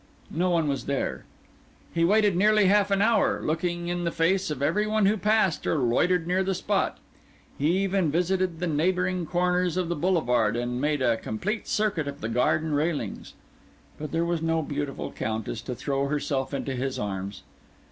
No one was there. He waited nearly half an hour, looking in the face of every one who passed or loitered near the spot; he even visited the neighbouring corners of the Boulevard and made a complete circuit of the garden railings; but there was no beautiful countess to throw herself into his arms.